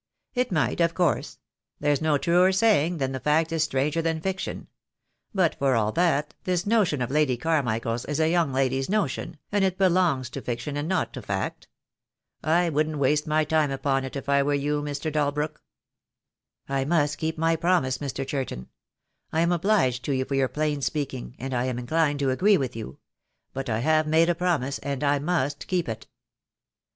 "It might, of course. There's no truer saying than that fact is stranger than fiction; but for all that, this notion of Lady Carmichael's is a young lady's notion, and it belongs to fiction and not to fact. I wouldn't waste my time upon it, if I were you, Mr. Dalbrook." "I must keep my promise, Mr. Churton. I am obliged to you for your plain speaking, and I am inclined to agree with you; but I have made a promise, and I must keep it."